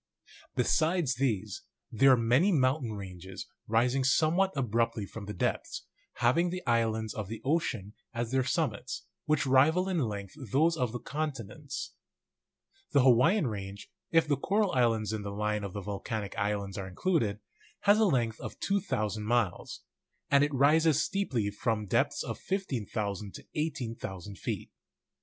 Besides these, there are many mountain ranges rising somewhat ab ruptly from the depths, having the islands of the oceani as their summits, which rival in length those of the con tinents. The Hawaiian range, if the coral islands in the line of the volcanic islands are included, has a length of 2,000 miles; and it rises steeply from depths of 15,000 to 18,000 feet.